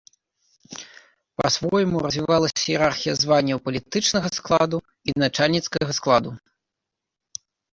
Па-свойму развівалася іерархія званняў палітычнага складу і начальніцкага складу.